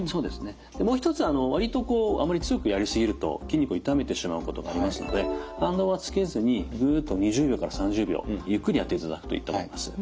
もう一つわりとこうあまり強くやりすぎると筋肉を痛めてしまうことがありますので反動はつけずにぐっと２０秒から３０秒ゆっくりやっていただくといいと思います。